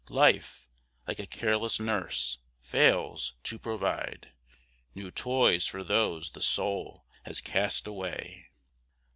Life, like a careless nurse, fails to provide New toys for those the soul has cast away.